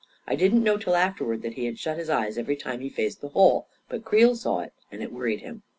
I didn't know till afterwards that he had shut his eyes every time he faced the hole, but Creel saw it and it worried him.